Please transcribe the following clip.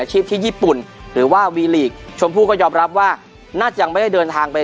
ชีพที่ญี่ปุ่นหรือว่าวีลีกชมพู่ก็ยอมรับว่าน่าจะไม่ได้เดินทางไป